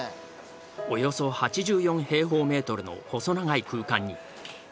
およそ８４平方メートルの細長い空間に４つの部屋がある。